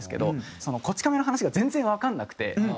その『こち亀』の話が全然わからなくて。